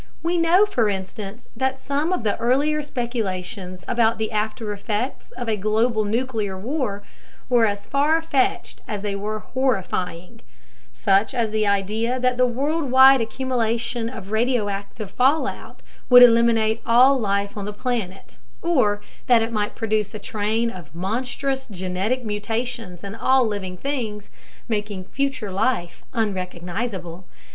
We know, for instance, that some of the earlier speculations about the after effects of a global nuclear war were as far fetched as they were horrifying such as the idea that the worldwide accumulation of radioactive fallout would eliminate all life on the planet, or that it might produce a train of monstrous genetic mutations in all living things, making future life unrecognizable.